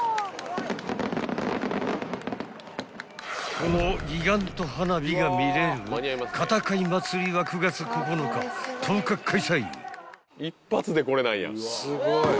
［このギガント花火が見れる片貝まつりは９月９日１０日開催］